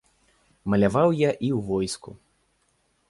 Маляваў я і ў войску.